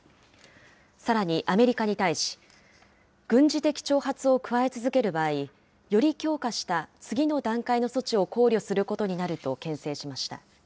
さらにアメリカに対し、軍事的挑発を加え続ける場合、より強化した次の段階の措置を考慮することになるとけん制しました。